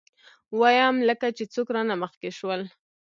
ويم لکه چې څوک رانه مخکې شول.